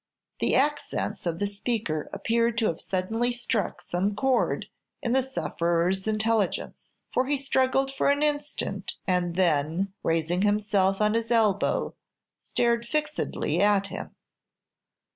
The accents of the speaker appeared to have suddenly struck some chord in the sufferer's intelligence, for he struggled for an instant, and then, raising himself on his elbow, stared fixedly at him.